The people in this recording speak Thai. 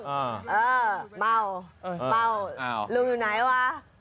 เออเมาลุงอยู่ไหนวะ